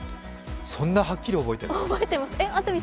そんなはっきり覚えてるの？